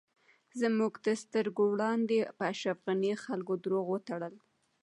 زموږ د سترږو وړاندی په اشرف غنی خلکو درواغ وتړل